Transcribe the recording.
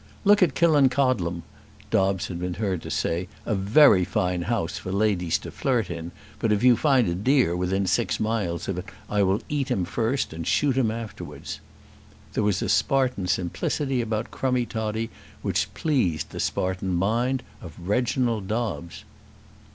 "Look at Killancodlem," Dobbes had been heard to say "a very fine house for ladies to flirt in; but if you find a deer within six miles of it I will eat him first and shoot him afterwards." There was a Spartan simplicity about Crummie Toddie which pleased the Spartan mind of Reginald Dobbes.